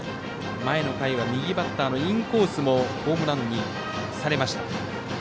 前の回は右バッターのインコースもホームランにされました。